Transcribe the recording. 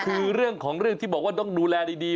คือเรื่องของเรื่องที่บอกว่าต้องดูแลดี